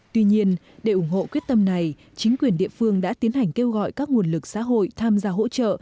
tuy nhiên để ủng hộ quyết tâm này chính quyền địa phương đã tiến hành kêu gọi các nguồn lực xã hội tham gia hỗ trợ